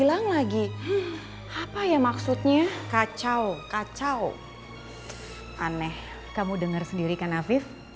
aneh kamu dengar sendiri kan afif